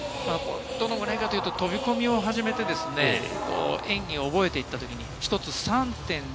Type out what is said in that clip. どのくらいかというと、飛込を始めて演技を覚えていった時に１つ３．０。